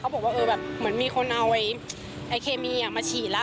บอกว่าเออแบบเหมือนมีคนเอาไอเคมีมาฉีดแล้ว